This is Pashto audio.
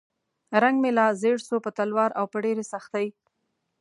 رنګ مې لا ژیړ شو په تلوار او په ډېرې سختۍ.